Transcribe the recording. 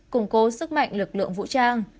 củng cố sức mạnh lực lượng vũ trang